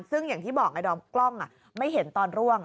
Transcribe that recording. ซึ่งอย่างที่บอกไงดอมกล้องไม่เห็นตอนร่วง